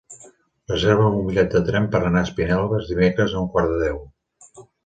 Reserva'm un bitllet de tren per anar a Espinelves dimecres a un quart de deu.